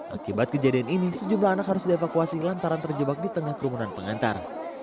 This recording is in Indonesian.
akibat kejadian ini sejumlah anak harus dievakuasi lantaran terjebak di tengah kerumunan pengantar